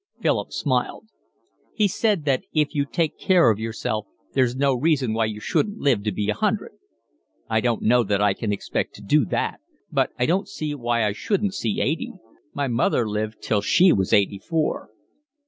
Philip smiled. "He said that if you take care of yourself there's no reason why you shouldn't live to be a hundred." "I don't know that I can expect to do that, but I don't see why I shouldn't see eighty. My mother lived till she was eighty four."